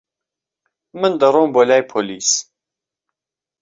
من دەڕۆم بۆ لای پۆلیس.